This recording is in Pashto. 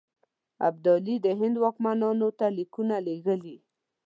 ابدالي د هند واکمنانو ته لیکونه لېږلي.